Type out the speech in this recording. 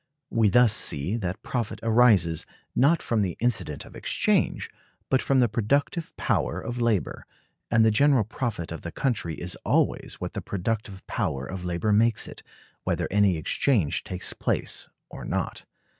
We thus see that profit arises, not from the incident of exchange, but from the productive power of labor; and the general profit of the country is always what the productive power of labor makes it, whether any exchange takes place or not.